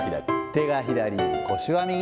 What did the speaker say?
手が左、腰は右。